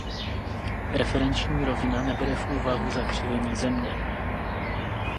Referenční rovina nebere v úvahu zakřivení Země.